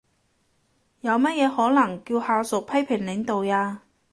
有乜嘢可能叫下屬批評領導呀？